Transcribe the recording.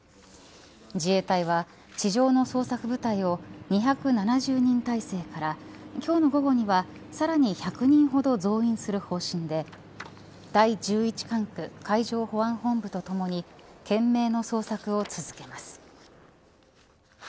自衛隊は地上の捜索部隊を２７０人態勢から今日の午後には、さらに１００人ほど増員する方針で第１１管区海上保安本部とともに懸命の捜索を続けます。